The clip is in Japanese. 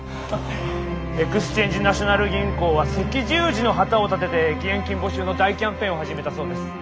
エクスチェンジ・ナショナル銀行は赤十字の旗を立てて義援金募集の大キャンペーンを始めたそうです。